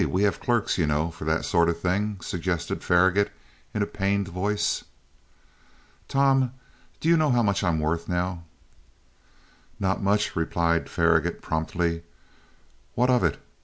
We have clerks, you know, for that sort of thing," suggested Faragaut in a pained voice. "Tom, do you know how much I'm worth now?" "Not much," replied Faragaut promptly. "What of it?